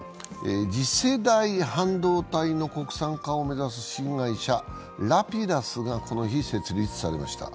次世代半導体の国産化を目指す新会社ラピダスがこの日、設立されました。